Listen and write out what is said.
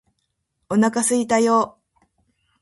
お腹すいたよーー